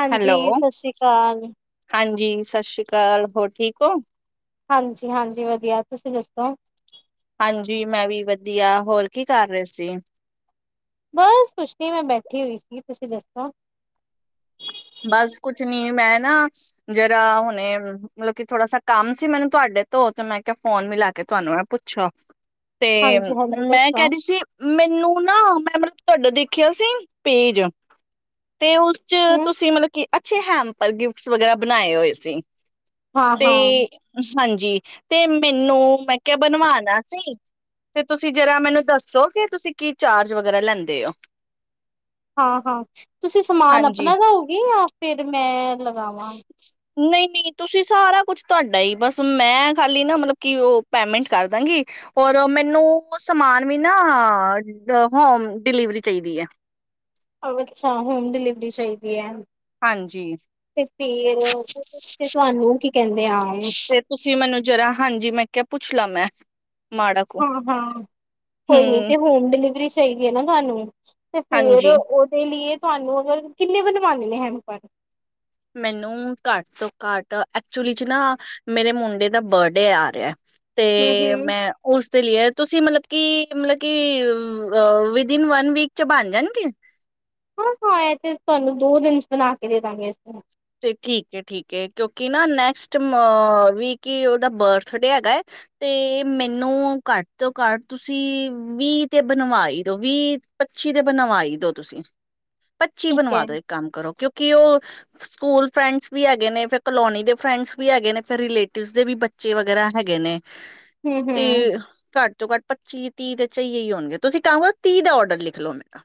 ਹਾਂਜੀ ਸਤਿ ਸ੍ਰੀ ਅਕਾਲ ਜੀ ਸਤਿ ਸ੍ਰੀ ਅਕਾਲ, ਹੋਰ ਠੀਕ ਹੋ ਹਾਂਜੀ ਹਾਂਜੀ ਵਧੀਆ ਤੁਸੀਂ ਦੱਸੋ ਹਾਂਜੀ, ਮੈਂ ਵੀ ਵਧੀਆ ਹੋਰ ਕੀ ਕਰ ਰਹੇ ਸੀ ਬਸ ਕੁਛ ਨਹੀਂ, ਮੈਂ ਬੈਠੀ ਹੋਈ ਸੀਗੀ ਤੁਸੀਂ ਦੱਸ ਹੈ- ਬਸ ਕੁਛ ਨੀ, ਮੈਂ ਨਾ ਜਿਹਰਾ ਹੁਣੇ ਮਤਲਬ ਕਿ ਥੋੜਾ ਸ ਕੰਮ ਸੀ, ਮੈਨੂੰ ਤੁਹਾਡੇ ਤੋਂ ਤੇ ਮੈਂ ਕਿਹਾ ਫੋਨ ਮਿਲਾ ਕੇ ਤੁਹਾਨੂੰ ਮ ਪੁੱਛਿਆ ਤੇ ਹਾਂਜੀ-ਹਾਂਜੀ ਮੈਂ ਦੱਸੋ, ਕਹਿ ਰਹੀ ਸੀ, ਮੈਨੂੰ ਨਾ ਮੈਂ ਮਤਲ ਤੁਹਾਡਾ ਦੇਖਿਆ ਸੀ, ਪੇਜ ਤੇ ਉਸ ਚ ਹੂੰ, ਤੁਸੀਂ, ਮਤਲਬ ਕੀ ਅੱਛੇ ਹੈਮ ਪਰ, ਗਿਫਟਸ ਵਗੈਰਾ ਬਣਾਏ ਹੋਏ ਸੀ ਤੇ ਹਾਂ-ਹਾਂ, ਹਾਂਜੀ ਜੀ, ਤੇ ਮੈਨੂੰ ਮੈਂ ਕਿਹਾ ਬਣਵਾਣਾ ਸੀ ਤੇ ਤੁਸੀਂ ਜਰਾ ਮੈਨੂੰ ਦੱਸੋ, ਕਿ ਤੁਸੀਂ ਕੀ ਚਾਰਜ ਵਗੈਰਾ ਲੈਂਦੇ ਹੋ ਹਾਂ ਹਾਂ, ਤੁਸੀਂ ਸਮਾਨ ਹਾਂਜੀ। ਆਪਣਾ ਲਓ ਕਿ ਜਾਂ, ਫਿਰ ਮੈਂ ਲਗਾਵਾਂ ਨਹੀਂ ਨਹੀਂ, ਤੁਸੀਂ ਸਾਰਾ ਕੁਛ ਤੁਹਾਡਾ ਹੀ, ਬਸ ਮੈਂ ਖਾਲੀ ਨਾ ਮਤਲਬ ਕਿ ਉਹ ਪੇਮੈਂਟ ਕਰ ਦਾਂਗੀ ਰ ਮੈਨੂੰ ਸਮਾਨ ਵੀ ਨਾ ਅਮਮ ਹੋਮ ਡਿਲੀਵਰੀ ਚਾਹੀਦੀ ਹੈ ਅੱਛਾ, ਹੋਮ ਡਿਲੀਵਰੀ ਚਾਹੀਦੀ ਆ ਹਾਂਜੀ। ਤੇ ਫਿਰ ਉਸ ਤੇ ਤੁਹਾਨੂੰ ਕੀ ਕਹਿੰਦੇ ਆ ਕੇ ਪੁੱਛਲਾ ਮੈਂ ਮਾੜਾ ਕੁ ਹਾਂ ਹਾਂ ਕੋਈ ਨੀ ਹੂੰ ਤੇ ਹੋਮ ਡਿਲੀਵਰੀ ਚ ਚਾਹੀਦੀ ਐ ਨਾ ਤੁਹਾਨੂੰ ਤੇ ਫੇਰ ਹਾਂਜੀ। ਉਹਦੇ ਲੀਏ ਤੁਹਾਨੂੰ ਅਗਰ ਕਿੰਨੇ ਬਣਵਾਉਂਦੇ ਨੇ ਹੈਮਪਰ। ਮੈਨੂੰ ਘੱਟ ਤੋਂ ਘੱਟ ਐਕਚੁਲੀ ਚ ਨਾ ਮੇਰੇ ਮੁੰਡੇ ਦਾ ਬਰਡੇ ਆ ਰਿਐ ਤੇ ਹੂੰ-ਹੂੰ। ਮੈਂ ਉਸ, ਲਿਆ ਤੁਸੀਂ ਮਤਲਬ ਕੀ ਮਤਲਬ ਕਿ ਵਿਦਇਨ ਵਨ ਵੀਕ ਚ ਬਣ ਜਾਣਗੇ। ਹਾਂ ਹਾਂ ਇਹ ਤੇ ਤੁਹਾਨੂੰ ਦੋ ਦਿਨ ਚ ਬਣਾ ਕੇ ਦੇਦਾਂਗੇ ਇਸਨੂੰ, ਤੇ ਠੀਕ ਏ-ਠੀਕ ਏ ਕਿਉਕਿ ਨਾ ਨੈਕਸਟ ਅ ਵੀਕ ਈ ਓਦਾ ਬਰਥ ਡੇ ਹੈਗਾ ਏ ਤੇ ਮੈਨੂੰ ਘਟ ਤੋਂ ਘੱਟ ਤੁਸੀ ਵੀਹ ਤੇ ਬਣਵਾ ਈ ਦੋ। ਵੀਹ-ਪੱਚੀ ਤੇ ਬਣਵਾ ਈ ਦੋ ਤੁਸੀ। ਪੱਚੀ ਠੀਕ ਬਣਵਾ ਐ। ਦੋ ਇੱਕ ਕੰਮ ਕਰੋ ਕਿਉਂਕਿ ਉਹ ਸਕੂਲ ਫਰੈਂਡਸ ਵੀ ਹੈਗੇ ਨੇ, ਫੇਰ ਕਲੋਨੀ ਦੇ ਫਰੈਂਡਸ ਵੀ ਹੈਗੇ ਨੇ, ਫਿਰ ਰਿਲੇਟਿਵਸ ਦੇ ਵੀ ਬੱਚੇ ਵਗੈਰਾ ਹੈਗੇ ਨੇ। ਤੇ ਹੂੰ-ਹੂੰ ਘੱਟ ਤੋਂ ਘੱਟ ਪੱਚੀ ਤੀਹ ਦੇ ਚਈਏ ਈ ਹੋਣਗੇ। ਤੁਸੀਂ ਕੰਮ ਕਰੋ ਤੀਹ ਦਾ ਔਡਰ ਲਿਖ ਲਓ ਹੁਣ ਮੇਰਾ।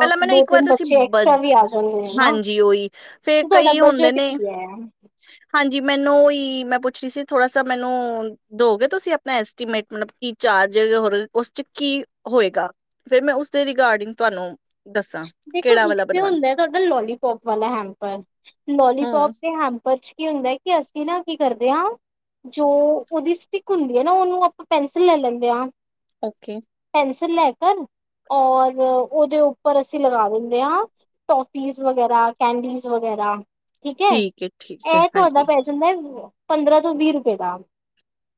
ਪਹਿਲਾਂ ਮੈਨੂੰ ਦੋ-ਤਿੰਨ ਬੱਚੇ ਐਕਸਟਰਾ ਵੀ ਆ ਜਾਂਦੇ ਨੇ ਨਾ। ਜੀ ਔਈ ਫਿਰ ਤੇ ਤੁਹਾਡਾ ਕਈ ਹੁੰਦੇ ਬਜਟ ਨੇ, ਕੀ ਐ? ਹਾਂਜ ਜੀ ਮੈਨੂੰ ਮੈਂ ਪੁੱਛ ਰਹੀ ਸੀ ਥੋੜਾ ਸਾ ਮੈਨੂੰ ਦੋਗੇ ਤੁਸੀ ਆਪਣਾ ਐਸਟੀਮੇਟ ਮਤਲਬ ਕੀ ਚਾਰਜਸ ਔਰ ਉਸ ਚ ਕੀ ਹੋਏਗਾ ਫਿਰ ਮੈਂ ਉਸਦੇ ਰਿਗਾਰਡਿੰਗ ਤੁਆਨੂੰ ਦੇਖੋ ਇੱਕ ਤੇ ਹੁੰਦਾ ਤੁਹਾਡਾ ਲੋਲੀ ਪੋਪ ਵਾਲਾ ਹੈਮਪਰ, ਲੌਲੀਪੋਪ ਹਮ ਤੇ ਹੈਮਪ ਉਰ ਚ ਕੀ ਹੁੰਦੈ ਕਿ ਅਸੀਂ ਨਾ ਕੀ ਕਰਦੇ ਆਂ ਜੋ ਉਹਦੀ ਸਟਿਕ ਹੁੰਦੀ ਏ ਨਾ ਉਹਨੂੰ ਆਪਾਂ ਪੈਨਸਿਲ ਲੈ ਲੈਂਦੇ ਆਂ। ਔਕੇ। ਤੁਸੀ ਲੈ ਕਰ ਔਰ ਉਹਦੇ ਉਪ ਪਰ ਅਸੀਂ ਲਗਾ ਦਿੰਦੇ ਆਂ ਟੋਫੀਜ਼ ਵਗੈਰਾ, ਕੈਂਡੀਸ ਵਗੈਰਾ। ਠੀਕ ਐ, ਠੀਕ ਹੈ, ਠੀਕ ਹੈ, ਇਹ ਤੁਹਾਡਾ ਹਾਂਜੀ। ਪੈ ਜਾਂਦੈ ਪੰਦਰਾਂ ਤੋਂ ਵੀਹ ਰੁਪਏ ਦਾ।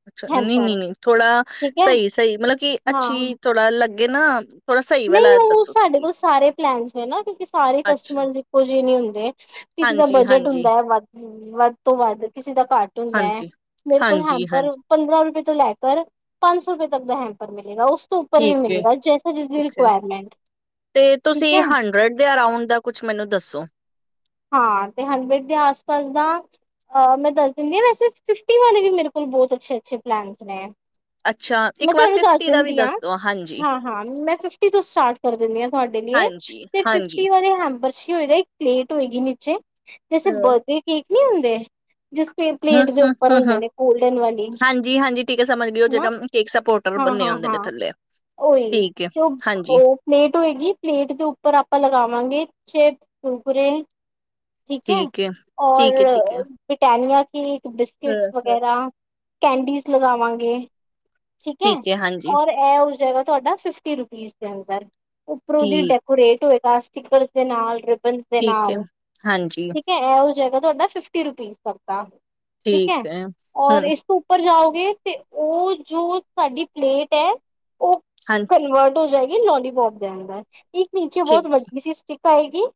ਅੱਛਾ ਨੀ, ਹੈਂਪਰ ਨੀ, ਨੀ। ਥੋੜਾ ਠੀਕ ਹੈ ਸਈ-ਸਈ ਮਤਲਬ ਕਿ ਅੱਛੀ ਥੋੜਾ ਲੱਗ ਅੱਗੇ ਨਾ ਥੋੜਾ ਸਹੀ ਨਈ ਵਾਲਾ ਉਹ ਦੱਸੋ ਸਾਡੇ ਤੁਸੀਂ। ਕੋਲ ਸਾਰੇ ਪਲੈਨਸ ਨੇ ਨਾ ਕਿਉਂਕਿ ਸਾਰੇ ਅੱਛਾ, ਕਸਟਮਰਸ ਇੱਕੋ ਜਿਹੇ ਨੀ ਹੁੰਦੇ। ਕਿਸੇ ਦਾ ਹਾਂਜੀ, ਬਜਟ ਹਾਂਜੀ, ਹੁੰਦਾ ਐ ਵੱਧ ਵੱਧ ਤੋਂ ਵੱਧ ਕਿਸ ਜਿੱਦਾਂ ਕਾਰਟੂਨਸ ਹੈ। ਹਾਂਜੀ, ਮੇਰੇ ਕੋਲ ਹਾਂਜੀ, ਹੈਮਪਰ ਹਾਂਜੀ ਪੰਦਰਾਂ ਰੁਪਏ ਤੋਂ ਲੈ ਕਰ ਪੰਜ ਸੌ ਰੁਪ ਲੱਗਦਾ ਹੈਮਪਰ ਮੇਂ। ਜੇੜਾ ਉਸ ਤੋਂ ਉੱਪਰ ਨੀ ਠੀਕ ਹੈ, ਮਿਲੇਗਾ ਜੈਸਾ ਜਿਸ ਦੀ ਠੀਕ ਹੈ। ਤੇ ਤੁਸੀ ਹੰਡਰਡ ਦੇ ਅਰਾਉਂਡ ਦਾ ਕੁਛ ਮੈਨੂੰ ਦੱਸੋ। [inaudible] ਹਾਂ ਤੇ ਹੰਡਰਡ ਦੇ ਆਸ ਪਾਸ ਦਾ ਮੈਂ ਦੱਸ ਦਿੰਦੀ ਹਾਂ, ਵੈਸੇ ਫਿਫਟੀ ਵਾਲੇ ਵੀ ਮੇਰੇ ਕੋਲ ਬਹੁਤ ਅੱਛੇ ਅੱਛੇ ਪਲੈਨਸ ਨੇ ਅੱਛਾ, ਇੱਕ ਮੈਂ ਵਾਰ ਤੁਹਾਨੂੰ ਦੱਸ ਫਿਫਟੀ ਦਾ ਵੀ ਦਿੰਦੀ ਹਾਂ ਦੱਸ ਦੋ ਹਾਂਜੀ, ਹਾਂ ਹਾਂ ਮੈਂ ਫਿਫਟੀ ਤੋਂ ਸਟਾਰਟ ਕਰ ਦਿੰਦੀ ਹਾਂ ਤੁਹਾਡੇ ਲਈ ਹਾਂਜੀ, ਤੇ ਹਾਂਜੀ। ਫਿਫਟੀ ਵਾਲੇ ਹੈਂਪਰ [inaudible] ਹੋਏਗੀ ਨੀਚੇ- ਜੈਸੇ ਹੂੰ, ਬਰਥਡੇ ਕੇਕ ਨਹੀਂ ਹੁੰਦੇ ਜਿਸ ਹੂੰ, ਪਲੇਟ ਦੇ ਉੱਪਰ ਹੂੰ, ਹੁੰਦੇ ਹੂੰ ਨੇ ਗੋਲਡਨ ਵਾਲੀ, ਹਾਂਜੀ, ਹਾਂਜੀ ਠੀਕ ਹੈ ਸਮਝ ਗਈ ਉਹ ਹੈਨਾ ਜਿਹੜਾ ਕੇਕ ਸਪੋਰਟਰ ਹਾਂ ਬੰਨੇ ਹਾਂ ਹੁੰਦੇ ਨੇ ਹਾਂ ਥੱਲੇ। ਓਹੀ ਠੀਕ ਹੈ, ਤੇ ਉਹ ਹਾਂਜੀ, ਉਹ ਪਲੇਟ ਹੋਏਗੀ ਪਲੇਟ ਦੇ ਉੱਪਰ ਆਪਾਂ ਲਗਾਵਾਂ [unintelligible] ਠੀਕ ਹੈ ਔਰ ਠੀਕ ਹੈ, ਠੀਕ ਹੈ। ਬ੍ਰਿਟਾਨੀਆ [inaudible] ਬਿਸਕਿਟਸ ਹੂੰ, ਹੂੰ। ਵਗੈਰਾ ਕੈਂਡੀਜ਼ ਲਗਾਵਾਂਗੇ ਠੀਕ ਹੈ ਔਰ ਇਹ ਉਸ ਜਏਗਾ ਤੁਹਾਡਾ ਫਿਫਟੀ ਰੁਪੀਜ਼ ਦੇ ਅੰਦਰ ਉੱਪਰੋਂਦੀ ਠੀਕ ਡੈਕੋਰੇਟ ਹੋਏਗਾ [unintelligible] ਦੇ ਠੀਕ ਹੈ ਨਾਲ ਹਾਂਜੀ ਹੈਗਾ ਤੁਹਾਡਾ ਫਿਫਟੀ ਰੁਪੀਜ਼ ਦਾ ਠੀਕ ਹੈ ਔਰ ਇਸ ਤੋਂ ਉੱਪਰ ਜਾਓ ਤੇ ਉਹ ਜੋ ਸਾਡੀ ਪਲੇਟ ਹੈ ਉਹ ਹਾਂ ਕਨਵਰਟ ਹੋ ਜਾਏਗੀ ਲੋਲੀਪੋਪ ਦੇ ਅੰਦਰ ਇੱਕ ਨੀਚ ਠੀਕ ਬਹੁਤ [unintelligible] ਸੀ ਪਏਗੀ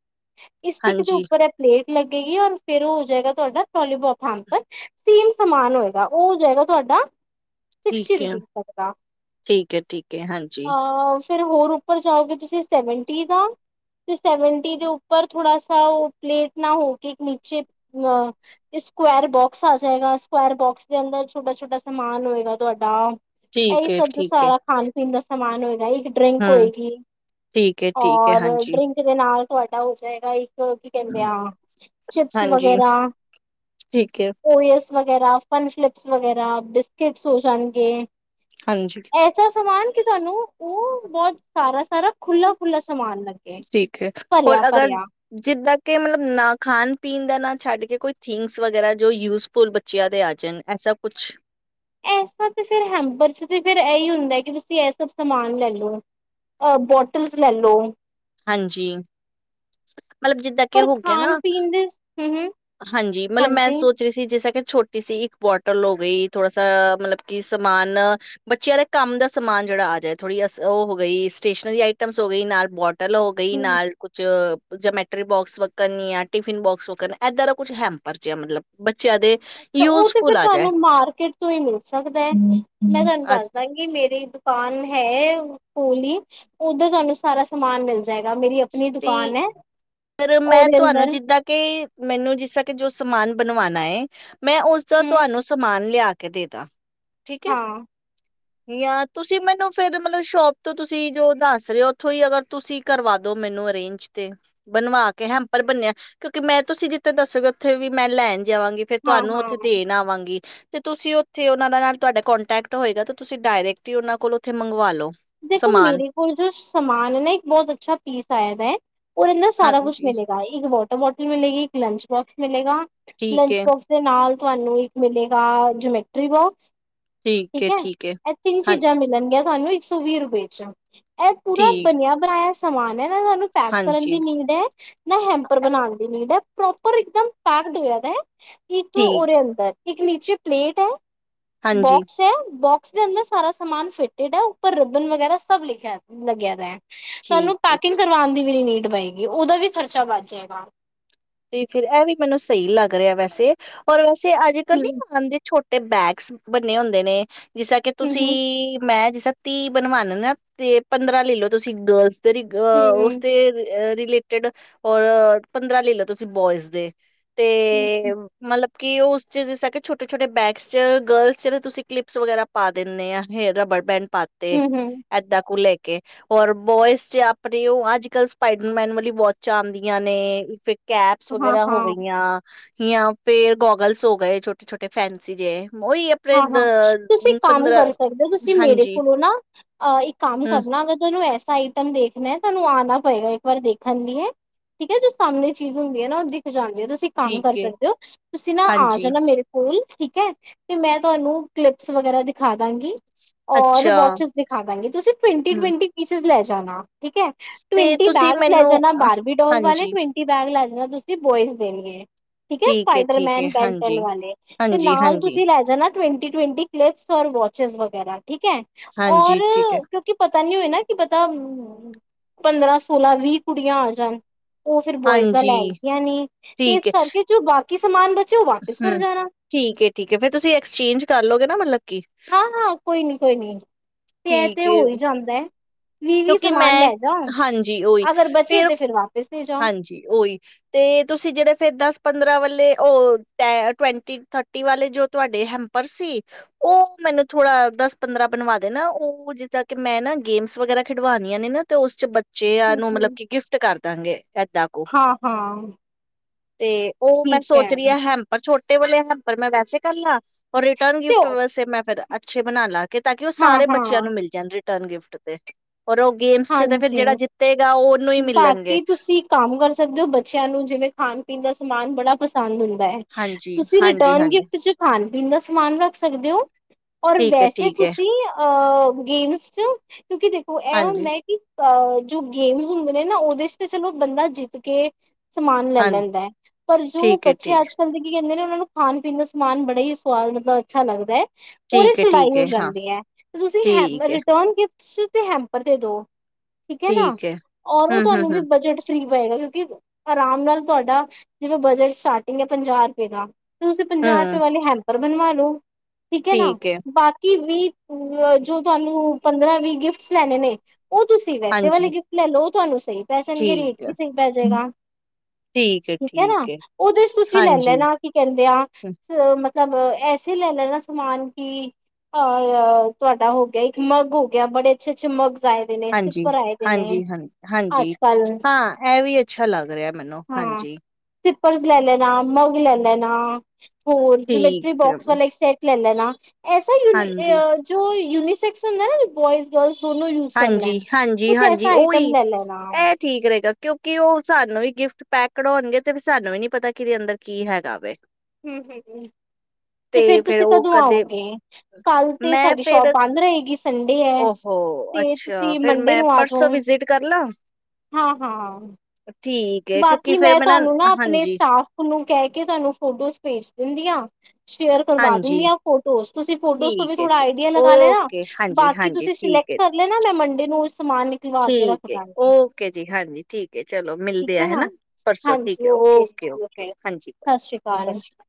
ਇਕ ਦੇ ਹਾਂਜੀ ਉੱਪਰ ਹੈ ਪਲੇਟ ਲੱਗੇਗੀ ਔਰ ਫੇਿਰ ਉਹ ਹੋ ਜਾਏਗਾ ਤੁਹਾਡਾ ਟੋਲੀਬੋਪ ਹੈਪਰ ਸੀਮ ਸਮਾਨ ਹੋਏਗਾ ਉਹ ਹੋ ਜਾਏਗਾ ਤੁਹਾਡਾ ਸਿਕਸਟੀ ਠੀਕ ਹੈ ਰੁਪੀਸ [inaudible] ਠੀਕ ਹੈ ਠੀਕ ਹੈ ਹਾਂਜੀ ਫਿਰ ਹੋਰ ਉੱਪਰ ਜਾਓਗੇ ਤੁਸੀਂ ਸੈਵਨਟੀ ਦਾ, ਤੇ ਸੈਵਨਟੀ ਦੇ ਉੱਪਰ ਥੋੜ੍ਹਾ ਉਹ ਪਲੇਟ ਨਾ ਹੋ ਕੇ ਇੱਕ ਨੀਚੇ ਅ ਸਕੁੈਰ ਬੋਕਸ ਆ ਜਾਏਗਾ ਸਕੈਰ ਬੋਕਸ ਦੇ ਅੰਦਰ ਛੋਟਾ-ਛੋਟਾ ਸਮਾਨ ਹੋਏਗਾ ਤੁਹਾਡਾ ਇਹੀ ਠੀਕ ਹੈ ਸ ਠੀਕ ਹੈ ਸਾਰਾ ਖਾਣ ਪੀਣ ਦਾ ਸਮਾਨ ਹੋਏਗਾਈ ਡਰਿੰਕ ਹਮ ਹੋਏਗੀ, ਠੀਕ ਹੈ ਠੀਕ ਹੈ ਔਰ ਹਾਂਜੀ ਡਰਿੰਕ ਦੇ ਨਾਲ ਵੱਡਾ ਹੋ ਜਾਏਗਾ ਇੱਕ ਕੀ ਕਹਿੰਦੇ ਆ ਚਿਪਸ ਹਾਂਜੀ ਵਗੈਰਾ ਠੀਕ ਹੈ ਵਗੈਰਾ ਫਨ ਫਲਿਪਸ ਵਗੈਰਾ ਬਿਸਕਿਟਸ ਹੋ ਜਾਣਗੇ। ਹਾਂਜੀ ਐਸਾ ਸਮਾਨ ਕਿ ਤੁਹਾਨੂੰ ਉਹ ਬਹੁਤ ਸਾਰਾ ਸਾਰਾ ਖੁਲਾ ਖੁਾ ਠੀਕ ਹੈ ਹੋਰ ਅਗਰ ਭਰਿਆ ਜਿੱਦਾਂ ਕਿ ਮਤਲਬ ਨਾ ਖਾਣ ਪੀਣ ਦਾ ਨਾ ਛੱਡ ਕੇ ਕੋਈ ਥਿੰਗਸ ਵਗੈਰਾ ਜੋ ਯੂਜਫੁਲ ਬੱਚਿਆਂ ਦੇ ਆ ਜਾਣ ਐਸਾ ਕੁਛ। ਐਸਾ ਤੇ ਫਿਰ ਹੈਂਪਰ ਫਿਰ ਇਹੀ ਹੁੰਦਾ ਕਿ ਤੁਸੀਂ ਇਹ ਸਭ ਸਮਾਨ ਲੈ ਲੋ ਅਹ ਬੋਟਲਸ ਲੈ ਲੋ। ਹਾਂਜੀ ਮਤਲਬ ਜਿੱਦਾਂ ਕਿ ਪਰ ਹੋ ਗਿਆ ਖਾਣ ਨਾ ਪੀਣ ਦੇ ਹਮ ਹਮ ਹਾਂਜੀ ਮਤਲਬ ਮੈਂ ਸੋਚ ਰਹੀ ਸੀ ਜਿਸ ਤਰਾਂ ਕਿ ਛੋਟੀ ਸੀ ਇੱਕ ਬੋਟਲ ਹੋ ਗਈ ਥੋੜਾ ਸਾ ਮਤਲਬ ਕਿ ਸਮਾਨ ਬੱਚਿਆਂ ਦੇ ਕੰਮ ਦਾ ਸਮਾਨ ਜਿਹੜਾ ਆ ਜਾਏ ਥੋੜੀ ਅ ਉਹ ਹੋ ਗਈ ਸਟੇਸ਼ਨਰੀ ਆਈਟਮਸ ਹੋ ਗਈ ਨਾਲ ਬੋ ਚਲ ਹੋ ਗਈ ਹਮ ਨਾਲ ਕੁਛ ਜਮੈਟਰੀ ਬੋਕਸ ਵੱਕਨ ਆ ਟਿਫਿਨ ਬੋਕਸ ਵੱਕਨ ਏਦਾਂ ਦਾ ਕੁੱਛ ਹੈਂਪਰ ਜਿਆ ਮਤਲਬ। ਬੱਚਿਆਂ ਦੇ ਅੱਛਾ ਉਹ ਤੇ ਫਿਰ ਯੂਜਫੁਲ ਆ ਜਾਏ ਤੁਹਾਨੂੰ ਮਾਰਕਿਟ ਤੋਂ ਹੀ ਮਿਲ ਸਕਦਾ ਹੈ ਮੈਂ ਤੁਹਾਨੂੰ ਅ- ਦੱਸ ਦਾਂਗੀ ਮੇਰੀ ਦੁਕਾਨ ਹੈ ਹੋਲੀ ਉੱਧਰ ਤੁਹਾਨੂੰ ਸਾਰਾ ਸਮਾਨ ਮਿਲਦਾ ਜਾਏਗਾ ਮੇਰੀ ਆਪਣੀ ਦੁਕਾਨ ਹੈ। ਪਰ ਮੈਂ ਉਹਦੇ ਤੁਹਾਨੂੰ ਅੰਦਰ ਜਿੱਦਾਂ ਕਿ ਮੈਨੂੰ ਜਿਸਦਾਂ ਕਿ ਜੋ ਸਮ ਸਮਾਨ ਬਣਵਾਨਣਾ ਹੈ ਮੈਂ ਉਸਦਾ ਹਮ ਤੁਹਾਨੂੰ ਸਮਾਨ ਲਿਆ ਕਦੇ ਤਾਂ। ਹਾਂ। ਤੁਸੀਂ ਮੈਨੂੰ ਫਿਰ ਮਤਲਬ ਸ਼ੋਪ ਤੋਂ ਤੁਸੀਂ ਜੋ ਦੱਸ ਰਹੇ ਹੋ ਉਥੋਂ ਹੀ ਅਗਰ ਤੁਸੀਂ ਕਰਵਾ ਦੋ ਮੈਨੂੰ ਅਰੇਂਜ ਤੇ। ਬਣਵਾ ਕੇ ਹੈਂਪਰ ਬਨਿਆ ਕਿਉਂਕਿ ਮੈਂ ਤੁਸੀਂ ਜਿੱਥੇ ਦੱਸੋਗੇ ਉੱਥੇ ਵੀ ਮੈਂ ਲੈਣ ਜਾਵਾਂਗੇ ਫੇਰ ਹਾਂ ਤੁਹਾਨੂੰ ਉੱਥੇ ਹਾਂ ਦੇਣ ਆਵਾਂਗੀ। ਤੇ ਤੁਸੀਂ ਉੱਥੇ ਉਹਨਾਂ ਦੇ ਨਾਲ ਤੁਹਾਡਾ ਕੋਂਟੈਕਟ ਹੋਏਗਾ ਤੇ ਤੁਸੀਂ ਡਾਇਰੈਕਟ ਹੀ ਉਹਨਾਂ ਕੋਲ ਉੱਥੇ ਮੰਗਵਾ ਲੋ। ਦੇਖੋ ਸਮਾਨ ਮੇਰੇ ਕੋਲ ਜੋ ਸਮਾਨ ਹੈ ਨਾ ਇੱਕ ਬਹੁਤ ਅੱਛਾ ਪੀਸ ਆਇਆ ਦਾ ਹੈ। ਉਹਦੇ ਨਾਲ ਸਾਰਾ ਕੁਛ ਹਾਂਜੀ ਮਿਲੇਗਾ ਇੱਕ ਬਹੁਤ ਬੋਟਲ ਮਿਲੇਗੀ ਇੱਕ ਲੰਚ ਬੋਕਸ ਮਿਲੇਗਾ। ਠੀਕ ਲੰਚ ਹੈ ਬੋਕਸ ਦੇ ਨਾਲ ਤੁਹਾਨੂੰ ਇੱਕ ਮਿਲੇਗਾ ਜਮੈਟਰੀ ਬੋਕਸ। ਠੀਕ ਹੈ ਇਹ ਤਿੰਨ ਚੀਜ਼ਾਂ ਹਾਂਜੀ ਮਿਲਣਗੀਆਂ ਤੁਹਾਨੂੰ ਇੱਕ ਸੌ ਵੀਹ ਰੁਪਏ ਚ। ਇਹ ਪੂਰਾ ਠੀਕ ਬਣਿਆ ਬਣਾਇਆ ਸਮਾਨ ਏ ਸਾਨੂੰ ਪੈਕ ਕਰਨ ਦੀ ਹਾਂਜੀ ਨੀਡ ਹੈ, ਨਾ ਹੈਂਪਰ ਬਣਾਉਣ ਦੀ ਨੀਡ ਹੈ। ਪ੍ਰੋਪਰ ਇੱਕਦਮ ਪੈਕਡ ਹੋ ਜਾਂਦਾ। ਠੀਕ [inaudible] ਇੱਕ ਨੀਚੇ ਪਲੇਟ ਹੈ। ਹਾਂਜੀ ਬੋਕਸ ਹੈ ਬਕ ਇਸਦੇ ਅੰਦਰ ਸਾਰਾ ਸਮਾਨ ਫਿਟਿਡ ਆ। ਪਰ ਰੱਬਨ ਵਗੈਰਾ ਸਭ ਲਿਖਿਆ ਲਗਿਆ ਤੁਹਾਨੂੰ ਠੀਕ ਹੈ। ਪੈਕਿੰਗ ਕਰਵਾਣ ਦੀ ਵੀ ਨੀਡ ਪਏਗੀ ਉਹਦਾ ਵੀ ਖਰਚਾ ਵੱਧ ਜਾਏਗਾ। ਤੇ ਫਿਰ ਇਹ ਵੀ ਮੈਨੂੰ ਸਹੀ ਲੱਗ ਰਿਹਾ ਵੈਸੇ ਔਰ ਤੇ ਅੱਜ [inaudible] ਨੀ ਹੂੰ, ਮੰਦੇ ਛੋਟੇ ਤੇ ਬੈਗਸ ਬੰਨੇ ਹੁੰਦੇ ਨੇ ਤੇ ਜਿਸ ਤਰ ਕਿ ਹੂੰ, ਹੂੰ, ਤੁਸੀਂ ਮੈਂ ਜਿਸ ਤੀਹ ਬਣਵਾਨਾ ਨਾ ਤੇ ਪੰਦਰਾਂ ਲੈ ਲਓ ਤੁਸੀਂ [unintelligible] ਹੂੰ, ਰੇਲੇਟਡ ਔਰ ਪੰਦਰਾਂ ਲੇਲੌ ਤੁਸੀਂ ਬੋਇਜ਼ ਦੇ ਤੇ ਮਤਲਬ। ਕਿ ਉਸ ਚ ਜਿਸ ਤਰ੍ਹਾਂ ਕਿ ਛੋਟੇ ਛੋਟੇ ਬੈਗਸ ਚ ਗਰਲਸ ਚ ਤਾਂ ਤੁਸੀਂ ਕਲਿੱਪਸ ਵਗੈਰਾ ਪਾ ਦਿੰਦੇ ਆ ਹੇਅਰ ਰਬੜ ਬੈਂਡ। ਪਾਤੇ ਹੂੰ, ਹੂੰ, ਏਦਾਂ ਕੁ ਲੈ ਕੇ ਔਰ ਬੋਇਸ ਚ ਆਪਣੇ ਉਹ ਅੱਜ ਕੱਲ ਸਪਾਈਡਰਮੈਨ ਵਾਲੀ ਵੋਚਾਂ ਆਂਦੀਆਂ ਨੇ ਕੈਪਸ ਹਾਂ, ਵਗੈਰਾ ਹੋ ਹਾਂ। ਗਈਆਂ ਯ ਪੇ ਗੋਗਲਸ ਹੋ ਗਏ ਛਟੇ ਛੋਟੇ ਫੈਨਸੀ ਜੇ। ਉਹੀ ਆਪਣੇ ਹਾਂ ਦ ਹਾਂ ਤੁਸੀਂ ਕੰਮ ਪੰਦਰਾਂ ਕਰ ਸਕਦੇ ਹੋ ਤੁਸੀਂ ਮੇਰੇ ਹਾਂਜੀ ਕੋਲੋਂ ਨਾਹ ਇੱਕ ਕੰਮ ਹਮ ਕਰਨਾ ਅਗਰ ਤੁਹਾਨੂੰ ਐਸ ਆਈਟਮ ਦੇਖਣਾ ਹੈ ਤੁਹਾਨੂੰ ਆਣਾ ਪਏਗਾ, ਇੱਕ ਵਾਰ ਦੇਖਣ ਦੀ ਹੈ ਠੀਕ ਹੈ ਜੋ ਸਾਹਮਣੇ ਚੀਜ਼ ਹੁੰਦੀ ਹੈ ਨਾ ਉਹ ਦਿਖ ਜਾਂਣ ਤੁਸੀਂ ਕੰਮ ਕਰ ਠੀਕ ਏ ਸਕਦੇ ਹੋ ਤੁਸੀਂ ਨਾ ਆ ਹਾਂਜੀ ਜਾਣਾ ਮੇਰੇ ਕੋਲ। ਠੀਕ ਹੈ। ਤੇ ਮੈਂ ਤੁਹਾਨੂੰ ਕਲਿਪਸ ਵਗੈਰਾ ਦਿਖਾ ਦਾਂਗੀ। ਔਰ ਅੱਛਾ ਵਾਚਿਸ ਦਿਖਾਵਾਂਗੇ, ਤੁਸੀਂ ਪੇਟੀਡ ਹਮ ਵੇਟੀਡ ਪੀਸਿਸ ਲੈ ਜਾ ਜਾਣਾ ਠੀਕ ਹੈ ਤੇ ਟਵੰਟੀ ਤੁਸੀਂ ਬੈਗ ਲੈ ਮੈਨੂੰ ਜਾਣਾ ਅ ਬਾਰਬੀ ਡੋਲ ਵਾਲੇ ਹਾਂਜੀ ਟਵੰਟੀ ਬੈਗ ਲੈ ਜਾ ਤੁਸੀਂ ਬੋਇਜ਼ ਦੇਣਗੇ। ਠੀਕ ਹੈ, ਠੀਕ ਹੈ ਸਪਾਈਡਰਮੈਨ ਬੈਨਟੈਨ ਹਾਂਜੀ ਵਾਲੇ ਤੇ ਹਾਂਜੀ ਨਾਲ ਹਾਂਜੀ ਤੁਸੀਂ ਨਾ ਟਵਂਟੀ ਟਵਂਟੀ ਕਲਿਪਸ ਵੋਚੇਸ ਵਗੈਰਾ ਠੀਕ ਹੈ ਔਰ ਹਾਂਜੀ ਠੀਕ ਹੈ ਕਿਉਂਕਿ ਪ ਪਤਾ ਨਹੀਂ ਹੋਏ ਨਾ ਕਿ ਪਤਾ ਪੰਦਰਾਂ ਸੋਲਾਂ ਵੀਹ ਕੁੜੀਆਂ ਆ ਜਾਣ ਉਹ ਫਿਰ ਬੋਇਜ਼ ਦਾ ਹਾਂਜੀ ਲੈਣਗੀਆਂ ਨੇ ਤੇ ਇਸ ਠੀਕ ਹੈ ਕਰਕੇ ਜੋ ਬਾਕੀ ਕੀ ਸਮਾਨ ਬੱਚ ਹਮ ਠੀਕ ਹੈ ਠੀਕ ਹੈ ਫੇਰ ਤੁਸੀਂ ਐਕਸਚੇਂਜ ਕਰ ਲਓਗੇ ਨਾ ਮਤਲਬ ਕਿ ਹਾਂ ਹਾਂ ਕੋਈ ਨੀ ਕੋਈ ਨੀ ਤੇ ਇਹ ਤੇ ਠੀਕ ਹੋ ਹੈ ਹੀ ਜਾਂਦਾ ਹੈ। ਵੀਹ ਵੀਹ ਕਿਉਂਕਿ ਸਮਾਨ ਮੈਂ ਲੈ ਜਾਓ ਹਾਂਜੀ ਓਹੀ ਅਗਰ ਬਚੇ ਫਿਰ ਤੇ ਵਾਪਿਸ ਦੇ ਜਾਓ ਹਾਂਜੀ ਉਹੀ ਤੇ ਤੁਸੀਂ ਜਿਹੜੇ ਫੇਰ ਦਸ ਪੰਦਰਾਂ ਵੇ ਉਹ ਟਵੈਂਟੀ ਥਰਟੀ ਵਾਲੇ ਜੋ ਤੁਹਾਡੇ ਹੈਪਂਰ ਸੀ ਉਹ ਮੈਨੂੰ ਥੋੜਾ ਦਸ ਪੰਦਰਾਂ ਬਣਵਾ ਦੇਣਾ ਉਹ ਜਿੱਦਾਂ ਕਿ ਮੈਂ ਨਾ ਗੇਮਸ ਵਗੈਰਾ ਖਿਡਵਾਨੀਆਂ ਨੇ ਨਾ ਤੇ ਉਸ ਚ ਬੱਚ ਬੱਚੇ ਹਮ ਨੂੰ ਮਤਲਬ ਹਮ ਕਿ ਗਿਫਟ ਕਰ ਦਾਂਗੇ ਏਦਾਂ ਕੁ ਹਾਂ ਹਾਂ ਤੇ ਉਹ ਮੈਂ ਠੀਕ ਹੈ ਸੋਚ ਰਹੀ ਹ ਹੈਪਂਰ ਛੋਟੇ ਤੇ ਉਹ ਵਾਲੇ ਹੈਂਪਰ ਮੈਂ ਵੈਸੇ ਕਰਨਾ ਔ ਰਿਟਰਨ ਤੇ ਗਿਫਟ ਉਹ ਵੈਸੇ ਮੈਂ ਫੇਰ ਅੱਛੇ ਬਣਾਨਾ ਤਾਂ ਕਿ ਉਹ ਹਾਂ ਸਾਰੇ ਹਾਂ ਬੱਚਿਆਂ ਨੂੰ ਮਿਲ ਜਾਣ ਰਿਟਰਨ ਗਿਫਟ ਤੇ ਔਰ ਉਹ ਗੇਮਸ ਚ ਤੇ ਫਿਰ ਹਾਂਜੀ ਜਿਹੜਾ ਜਿੱਤੇਗਾ ਉਹਨੂੰ ਹੀ ਮਿਲਣਗੇ ਬਾਕੀ ਤੁਸੀਂ ਕੰਮ ਕਰ ਸਕਦੇ ਹੋ ਬੱਚਿਆਂ ਨੂੰ ਜਿਵੇਂ ਖਾਣ ਪੀਣ ਦਾ ਸਮਾਨ ਬੜਾ ਪਸੰਦ ਹੁਨ ਹਾਂਜੀ ਤੁਸੀਂ ਹਾਂਜੀ ਰਿਟਰਨ ਹਾਂਜੀ ਗਿਫਟ ਚ ਖਾ ਦਿਨ ਦਾ ਸਮਾਨ ਰੱਖ ਸਕਦੇ ਹੋ। ਔਰ ਠੀਕ ਹੈ ਵੈਸੇ ਠੀਕ ਹੈ ਤੁਸੀਂ ਅ ਅ ਗੇਮਸ ਚ ਕਿਉਂਕਿ ਦੇਖੋ ਇਹ ਹਾਂਜੀ ਹੁੰਦਾ ਅਹ ਜੋ ਗੇਮਸ ਹੁੰਦੇ ਨੇ ਨਾ ਉਹਦੇ ਚ ਤੇ ਚਲੋ ਬੰਦਾ ਜਿੱਤ ਕੇ ਸਮਾਨ ਲੈ ਹਾਂਜੀ ਲੈਂਦਾ ਹੈ ਪਰ ਜੋ ਠੀਕ ਹੈ ਬੱਚੇ ਅੱਜ ਕੱਲ੍ਹ ਦੇ ਕੀ ਕਹਿੰਦੇ ਨੇ ਉਹਨਾਂ ਨੂੰ ਖਾਣ ਪੀਣ ਦਾ ਸਮਾਨ ਬੜਾ ਹੀ ਸਵਾਦ ਮਤਲਬ ਅੱਛਾ ਲੱਗਦਾ ਹੈ। ਉਹਦੇ ਠੀਕ ਸੁਲਾਈ ਠੀਕ ਹੋ ਹੈ ਠੀਕ ਹਾਂ ਜਾਂਦੀ ਹੈ ਤੇ ਤੁਸੀਂ ਹੈਪਂਰ ਠੀਕ ਹੈ ਰਿਟਰਨ ਗਿਫਟ ਤੇ ਹੈਂਪਰ ਦੇ ਦੋ ਠੀਕ ਹੈ ਨਾ ਔਰ ਉਹ ਹਮ ਹਮ ਤੁਹਾਨੂੰ ਵੀ ਹਮ ਬਜਟ ਫਰੀ ਪਏਗਾ ਕਿ ਆਰਾਮ ਨਾਲ ਤੁਹਾਡਾ ਜਿਵੇਂ ਬਜਟ ਸਟਾਰਟਿੰਗ ਹੈ ਪੰਜਾਹ ਰੁਪਏ ਦਾ ਤੁਸੀਂ ਪੰਜਾਹ ਰੁਪਏ ਹਮ ਵਾਲੇ ਹੈ ਪਰ ਬਣਵਾ ਲੋ। ਠੀਕ ਹੈ ਨਾ ਬਾਕੀ ਵੀ ਜੋ ਤੁਹਾਨੂੰ ਪੰਦਰਾਂ ਵੀਹ ਗਿਫਟਸ ਲੈਣੇ ਨੇ ਉਹ ਤੁਸੀਂ ਵੈਸੇ ਵਾਲੇ ਹਾਂਜੀ ਗਿਫ਼ਟ ਲੈ ਲਓ ਤੁਹਾਨੂੰ, ਸਹੀ ਪੈ ਜਾਣਗੇ ਰੇਟ ਠੀਕ ਵੀ ਹੈ ਸਹੀ ਪੈਜੇਗਾ। ਠੀਕ ਹੈ, ਨਾ ਉਹਦੇ ਚ ਤੁਸੀਂ ਲੈ ਹਾਂਜੀ ਲੈਣਾ ਕੀ ਕਹਿੰਦੇ ਆ ਅ ਮਤਲ ਸ ਐਸੇ ਲੈ ਲੈਣਾ ਸਮਾਨ ਕਿ ਅ ਤੁਹਾਡਾ ਹੋ ਗਿਆ ਇੱਕ ਮਗ ਹੋ ਗਿਆ ਬੜੇ ਅੱਛੇ ਅੱਛੇ ਮਗ। ਹਾਂਜੀ ਹਾਂਜੀ ਹਾਂ ਹਾਂਜੀ ਹਾਂ ਇਹ ਵੀ ਐ। ਅੱਛਾ ਲੱਗ ਰਿਹਾ। ਮੈਨੂੰ ਹਾਂਜੀ, ਸਿਪਲਸ ਲੈ ਲੈਣਾ ਮਗ ਲੈ ਲੈਣਾ। ਹੋਰ ਜਮੈਟਰੀ ਠੀਕ ਹੈ ਬੋਕਸ ਵਾਲਾ ਇੱਕ ਸੈਟ ਲੈ ਲੈਨਾ ਐਸਾ ਯੂਨੀ ਹਾਂਜੀ। ਜੋ ਯੂਨੀਸੈਕਸ ਹੁੰਦਾ ਬੋਇਜ਼ ਗਰਲਸ। ਦੋਨੋ ਯੂਜ ਕਰ ਹਾਂਜੀ ਲੈਣ ਹਾਂਜੀ ਕੁਛ ਹਾਂਜੀ ਐਸਾ ਉਹੀ ਆਈਟਮ ਲੈ ਲੈਣਾ ਇਹ ਠੀਕ ਰਹੇਗਾ, ਕਿਉਂਕਿ ਉਹ ਸਾਨੂੰ ਹੀ ਗਿਫਟ ਪੈਕ ਕਢਾਉਣਗੇ ਤੇ ਸਾਨੂੰ ਵੀ ਨੀ ਪਤਾ ਕਿਦੇ ਅੰਦਰ ਕੀ ਹੈਗਾ ਵੇ ਹਮ ਹੂ ਹੂ ਤੇ ਫੇਰ ਤੁਸੀਂ ਕਦੋਂ ਆਓਗੇ ਕੱਲ ਤੇ ਮੈਂ ਸਾਡੀ ਸ਼ੋਪ ਫੇਰ ਬੰਦ ਰਹੇਗੀ ਸੰਡੇ ਹੈ ਓਹੋ ਤੇ ਅੱਛਾ ਤੁਸੀਂ ਫੇਰ ਮੰਡੇ ਮੈਂ ਨੂੰ ਆ ਪਰਸੋਂ ਜਾਓ ਵਿਜਿਟ ਕਰ ਲਾਂ ਹਾਂ ਹਾਂ ਠੀਕ ਹੈ ਕਿਉਂਕਿ ਬਾਕੀ ਫੇਰ ਮੈਂ ਤੁਹਾਨੂੰ ਨਾ ਆਪਣੇ ਹਾਂਜੀ, ਸਟਾਫ ਨੂੰ ਕਹਿ ਕੇ ਤੁਹਾਨੂੰ ਫੋਟੋਜ਼ ਭੇਜ ਦਿੰਦੀ ਹਾਂ ਸ਼ੇਅਰ ਕਰਵਾ ਦਿੰਦੀ ਹਾਂਜੀ ਹਾਂ ਫੋਟੋਜ਼ ਤੁਸੀਂ ਫੋਟੋਜ਼ ਤੋਂ ਵੀ ਠੀਕ ਹੈ ਥੋੜਾ ਠੀਕ ਆਈਡੀਆ ਲਗਾ ਲੈਣਾ ਓਕੇ ਹਾਂਜੀ, ਬਾਕੀ ਹਾਂਜੀ ਤੁਸੀਂ ਸਿਲੈਕਟ ਠੀਕ ਹੈ। ਕਰ ਲੈਣਾ ਮੈਂ ਮੰਡੇ [inaudible] ਨਿਕਲਵਾ ਕੇ ਰੱਖ ਠੀਕ ਦਾਂਗੀ। ਓਕੇ ਜੀ ਹਾਂਜੀ ਠੀਕ ਚਲੋ ਮਿਲ ਠੀਕ ਹੈ ਹਨਾ ਨਾ ਪਰਸੋਂ ਠੀਕ ਹਾਂਜੀ ਹੈ ਜੀ ਓਕੇ ਚਲੋ ਓਕੇ ਫਿਰ ਹਾਂਜੀ ਸ੍ਰੀ ਸਤਿ ਸ਼੍ਰੀ ਅਕਾਲ